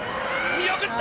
見送った！